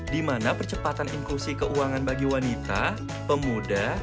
di mana percepatan inklusi keuangan bagi wanita pemuda